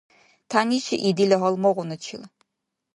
Тянишии дила гьалмагъуначил.